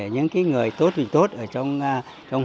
những cái người tốt thì tốt ở trong